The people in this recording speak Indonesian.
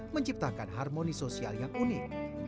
menciptakan harmoni sosial yang unik